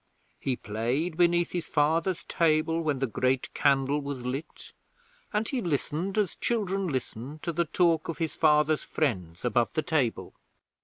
He played beneath his father's table when the Great Candle was lit, and he listened as children listen to the talk of his father's friends above the table.